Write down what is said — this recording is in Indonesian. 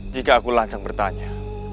jika aku lancang bertanya